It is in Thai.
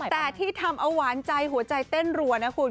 แต่ที่ทำเอาหวานใจหัวใจเต้นรัวนะคุณ